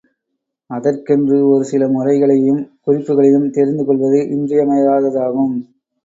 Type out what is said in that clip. அதற்கென்று ஒரு சில முறைகளையும் குறிப்புக்களையும் தெரிந்து கொள்வது இன்றியமையாததாகும்.